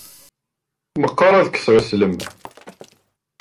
Meqqer ad kesseɣ iselman.